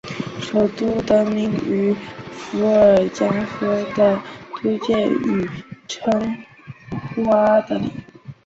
首都得名于伏尔加河的突厥语称呼阿的里。